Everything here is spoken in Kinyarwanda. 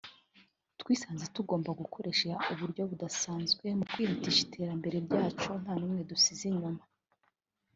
twisanze tugomba gukoresha uburyo budasanzwe mu kwihutisha iterambere ryacu nta n’umwe dusize inyuma